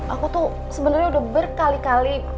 aku tuh sebenarnya udah berkali kali